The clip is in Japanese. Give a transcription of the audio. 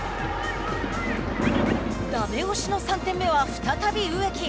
ダメ押しの３点目は再び植木。